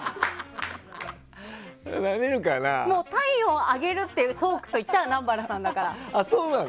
体温を上げるというトークといったら南原さんだから。